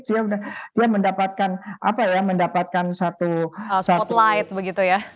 dia mendapatkan satu spotlight